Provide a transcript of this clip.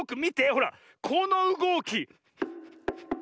ほらこのうごき。